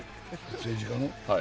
政治家の？